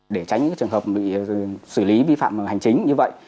để tránh những trường hợp bị xử lý vi phạm hành chính như vậy